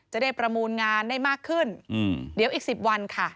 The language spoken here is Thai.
จะได้ประมูลงานได้มากขึ้นเดี๋ยวอีก๑๐วันค่ะ